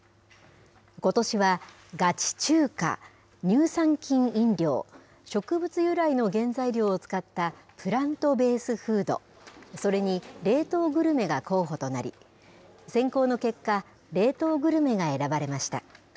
ことしは、ガチ中華、乳酸菌飲料、植物由来の原材料を使ったプラントベースフード、それに冷凍グルメが候補となり、選考の結果、冷凍グルメが選ばれました。